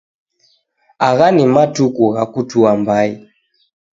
Agha ni matuku gha kutua mbai.